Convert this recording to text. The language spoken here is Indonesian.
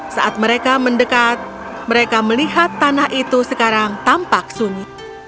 saat mereka mendekat mereka melihat tanah itu sekarang tampak sunyi